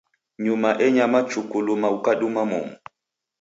Nyuma enyama chuku luma ukaduma momu.